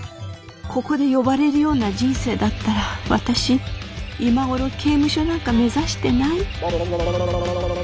ここで呼ばれるような人生だったら私今頃刑務所なんか目指してない。